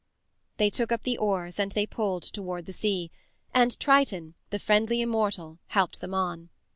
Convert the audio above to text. They took up the oars and they pulled toward the sea, and Triton, the friendly immortal, helped them on.